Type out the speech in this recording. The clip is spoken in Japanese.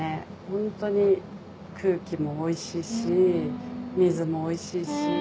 ホントに空気もおいしいし水もおいしいし。